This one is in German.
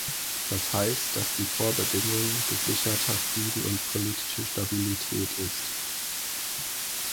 Das heißt, dass die Vorbedingung gesicherter Frieden und politische Stabilität ist.